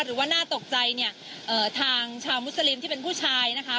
หรือว่าน่าตกใจเนี่ยทางชาวมุสลิมที่เป็นผู้ชายนะคะ